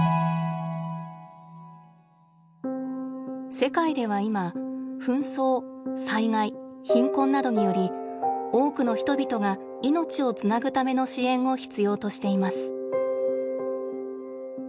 世界ではいま紛争災害貧困などにより多くの人々が命をつなぐための支援を必要としています。